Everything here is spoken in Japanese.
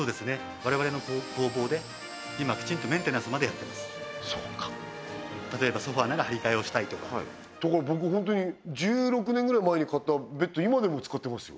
我々の工房で今きちんとメンテナンスまでやってますそうか例えばソファなら張り替えをしたりだから僕ホントに１６年ぐらい前に買ったベッド今でも使ってますよ